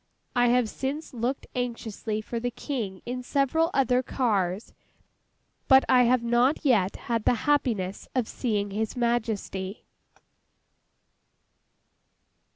I have since looked anxiously for the King in several other cars, but I have not yet had the happiness of seeing His Majesty.